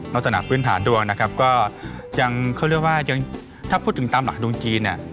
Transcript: นักตนาปพื้นฐานดวงนะครับก็ยังเขาเรียกว่าถ้าพูดถึงตามหลักดวงจีน